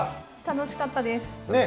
楽しかったです。